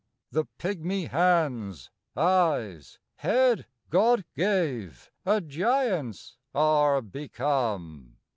The pigmy hands, eyes, head God gave A giant's are become.